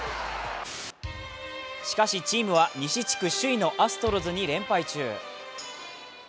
しかし、チームは西地区首位のアストロズに連敗中。